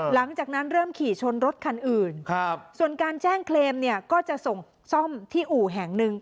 หลังจากนั้นเริ่มขี่ชนรถคันอื่นส่วนการแจ้งเคลมเนี่ยก็จะส่งซ่อมที่อู่แห่งหนึ่ง